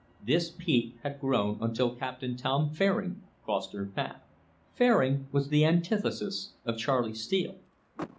This pique had grown until Captain Tom Fairing crossed her path. Fairing was the antithesis of Charley Steele.